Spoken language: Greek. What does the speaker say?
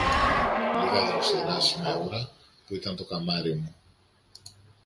λίγα δροσερά σμέουρα, που ήταν το καμάρι μου!